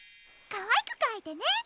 かわいくかいてね。